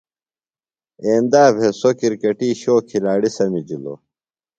ایندا بھےۡ سوۡ کرکٹی شو کِھلاڑی سمِجِلوۡ۔